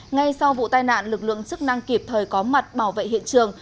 ngay sau vụ tai nạn lực lượng chức năng kịp thời có mặt bảo vệ hiện trường